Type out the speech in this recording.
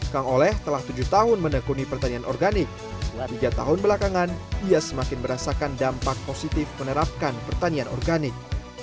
kang oleh telah tujuh tahun menekuni pertanian organik setelah tiga tahun belakangan ia semakin merasakan dampak positif menerapkan pertanian organik